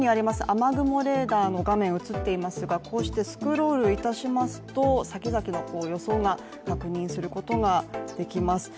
雨雲レーダーの画面映っていますがこうしてスクロールいたしますと先々の予想が確認することができます。